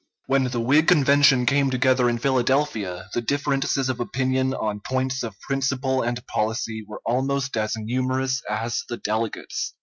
] When the Whig Convention came together in Philadelphia, the differences of opinion on points of principle and policy were almost as numerous as the delegates.